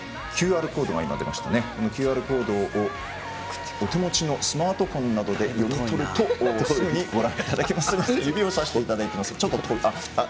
ＱＲコードをお手持ちのスマートフォンなどで読み取るとすぐにご覧いただけます。